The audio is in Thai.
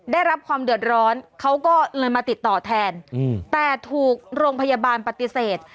ได้รับความเดือดร้อนเขาก็เลยมาติดต่อแทนแต่ถูกโรงพยาบาลปฏิเสธ